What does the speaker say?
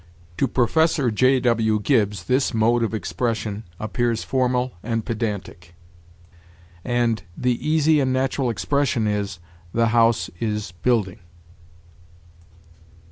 To Professor J. W. Gibbs 'this mode of expression ... appears formal and pedantic'; and 'the easy and natural expression is, "The house is building."'